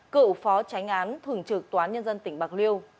cựu phó tránh án thường trực tòa án nhân dân tỉnh bạc liêu